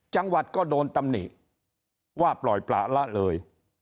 จังหวัดก็โดนตำหนิว่าปล่อยประละเลย